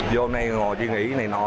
giờ hôm nay ngồi chỉ nghĩ cái này nọ